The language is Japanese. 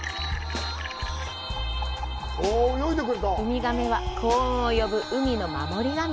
海亀は幸運を呼ぶ海の守り神。